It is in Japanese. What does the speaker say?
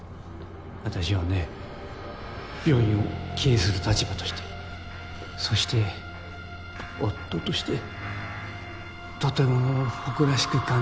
私はね病院を経営する立場としてそして夫としてとても誇らしく感じていたよ。